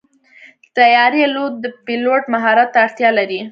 د طیارې الوت د پيلوټ مهارت ته اړتیا لري.